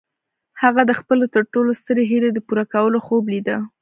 هغه د خپلې تر ټولو سترې هيلې د پوره کولو خوب ليده.